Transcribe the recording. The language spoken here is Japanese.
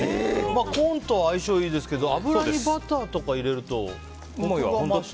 コーンと相性はいいですけど油にバターを入れると。